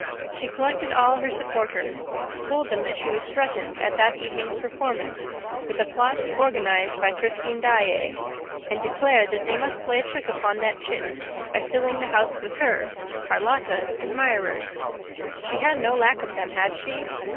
She collected all her supporters, told them that she was threatened at that evening's performance with a plot organized by Christine Daae and declared that they must play a trick upon that chit by filling the house with her, Carlotta's, admirers. She had no lack of them, had she?